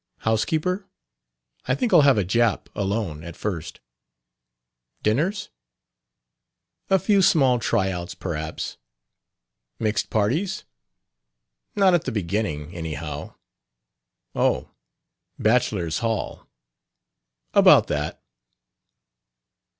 "Housekeeper?" "I think I'll have a Jap alone, at first." "Dinners?" "A few small try outs, perhaps." "Mixed parties?" "Not at the beginning, anyhow." "Oh; bachelor's hall." "About that."